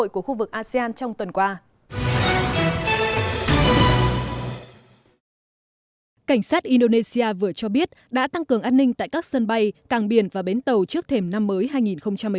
cảnh sát indonesia vừa cho biết đã tăng cường an ninh tại các sân bay càng biển và bến tàu trước thềm năm mới hai nghìn một mươi chín